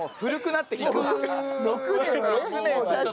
６年はね